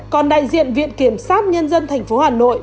còn đại diện viện kiểm soát nhân dân thành phố hà nội